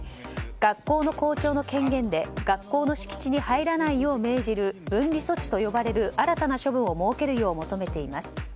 学校の校長の権限で学校の敷地に入らないよう命じる分離措置と呼ばれる新たな処分を設けるよう求めています。